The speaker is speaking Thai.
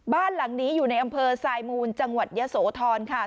บ้านหลังนี้อยู่ในอำเภอสายมูลจังหวัดยะโสธรค่ะ